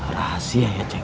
rahasia ya ceng